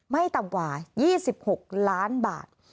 ไม่ต่ำกว่า๒๖ล้านบาท